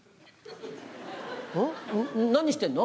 何してんの？